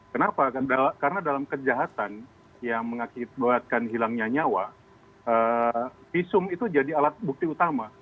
kenapa karena dalam kejahatan yang mengakibatkan hilangnya nyawa visum itu jadi alat bukti utama